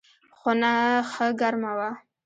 خونه ښه ګرمه وه.